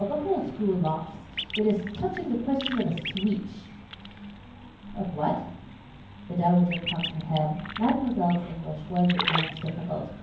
"The whole school laughs. It is touching the question of a sweetch." "Of what?" The Dowager cocked her head. Mademoiselle's English was at times difficult.